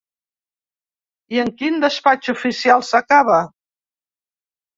I en quin despatx oficial s’acaba?